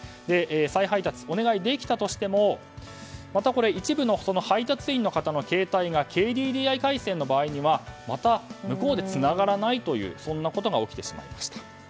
再配達お願いできたとしても一部の配達員の方の携帯がＫＤＤＩ回線の場合にはまた向こうでつながらないということが起きてしまいました。